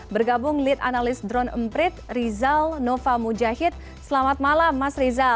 bergabung lead analis drone emprit rizal nova mujahid selamat malam mas rizal